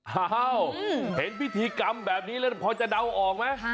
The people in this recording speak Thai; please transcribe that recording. อ้าวเห็นพิธีกรรมแบบนี้แล้วพอจะเดาออกไหม